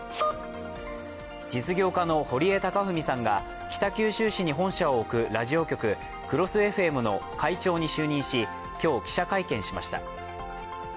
実業家の堀江貴文さんが北九州市に本社を置くラジオ局、ＣＲＯＳＳＦＭの会長に就任し今日、記者会見しました。